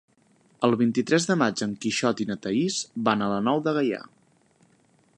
El vint-i-tres de maig en Quixot i na Thaís van a la Nou de Gaià.